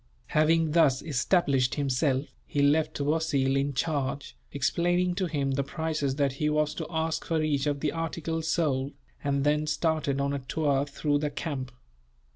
Having thus established himself, he left Wasil in charge, explaining to him the prices that he was to ask for each of the articles sold, and then started on a tour through the camp.